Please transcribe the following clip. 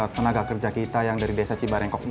tenaga kerja kita yang dari desa cibarengkok ini